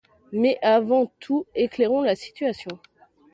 Mais, avant tout éclairons la situation.